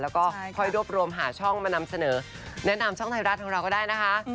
แล้วก็ค่อยรวบรวมหาช่องมานำเสนอแนะนำช่องไทยรัฐของเราก็ได้นะคะ